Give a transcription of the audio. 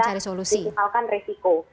gimana caranya kita disimalkan resiko